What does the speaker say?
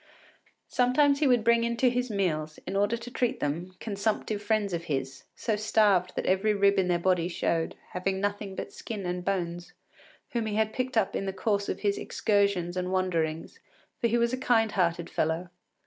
Sometimes he would bring in to his meals, in order to treat them, consumptive friends of his, so starved that every rib in their body showed, having nothing but skin and bones, whom he had picked up in the course of his excursions and wanderings, for he was a kind hearted fellow.